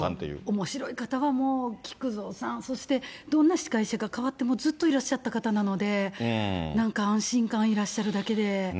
おもしろい方はもう木久蔵さん、そしてどんな司会者が代わってもずっといらっしゃった方なので、なんか安心感、いらっしゃるだけで。